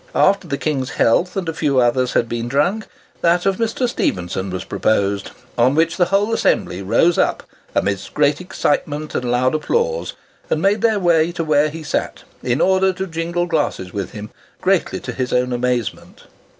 After the King's health and a few others had been drunk, that of Mr. Stephenson was proposed; on which the whole assembly rose up, amidst great excitement and loud applause, and made their way to where he sat, in order to jingle glasses with him, greatly to his own amazement.